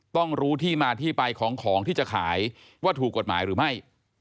ต้องรู้ที่มาที่ไปของของที่จะขายว่าถูกกฎหมายหรือไม่